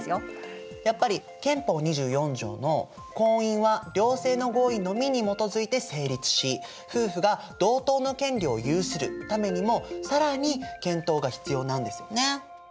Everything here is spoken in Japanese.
やっぱり憲法２４条の婚姻は両性の合意のみに基づいて成立し夫婦が同等の権利を有するためにも更に検討が必要なんですよね。